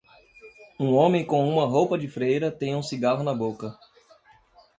Um homem com uma roupa de freira tem um cigarro na boca.